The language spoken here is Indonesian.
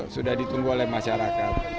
sudah ditunggu oleh masyarakat